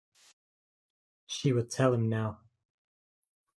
She would tell him now.